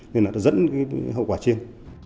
nên là dẫn đến hậu quả trên